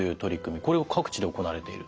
これは各地で行われていると？